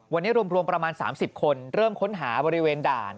วันนี้รวมประมาณ๓๐คนเริ่มค้นหาบริเวณด่าน